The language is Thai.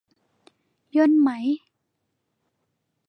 ย่นไหม